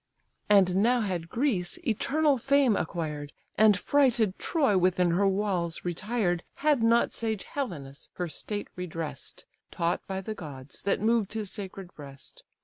And now had Greece eternal fame acquired, And frighted Troy within her walls, retired, Had not sage Helenus her state redress'd, Taught by the gods that moved his sacred breast.